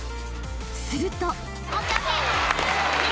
［すると］